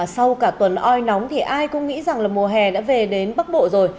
sau cả tuần oi nóng thì ai cũng nghĩ rằng là mùa hè đã về đến bắc bộ rồi